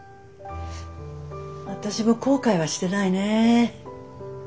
私も後悔はしてないねえ。